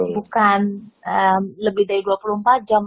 bukan lebih dari dua puluh empat jam